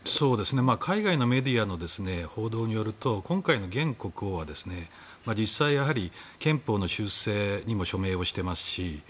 海外のメディアの報道によると今回の現国王は実際、憲法の修正にも署名をしていますし。